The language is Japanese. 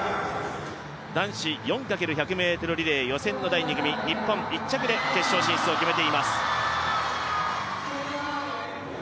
男子４×１００ｍリレー予選の第２組、日本は１着で決勝進出を決めています。